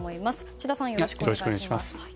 智田さん、よろしくお願いします。